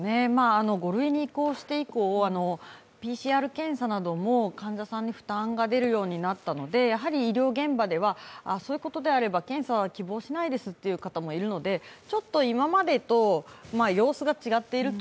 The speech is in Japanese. ５類に移行して以降、ＰＣＲ検査なども患者さんに負担が出るようになったので医療現場ではそういうことであれば検査は希望しないですという方もいるのでちょっと今までと様子が違っていると。